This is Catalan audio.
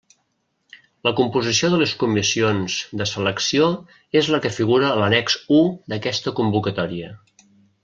La composició de les comissions de selecció és la que figura a l'annex u d'aquesta convocatòria.